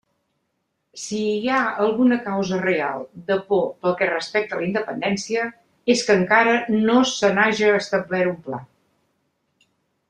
Si hi ha alguna causa real de por pel que respecta a la independència és que encara no se n'haja establert un pla.